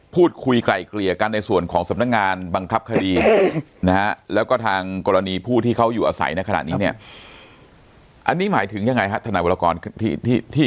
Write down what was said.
ไกล่เกลี่ยกันในส่วนของสำนักงานบังคับคดีนะฮะแล้วก็ทางกรณีผู้ที่เขาอยู่อาศัยในขณะนี้เนี่ยอันนี้หมายถึงยังไงฮะทนายวรกรที่